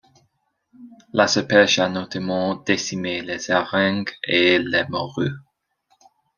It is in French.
La surpêche a notamment décimé les harengs et les morues.